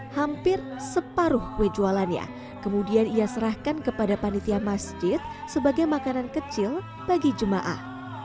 hampir separuh kue jualannya kemudian ia serahkan kepada panitia masjid sebagai makanan kecil bagi jemaah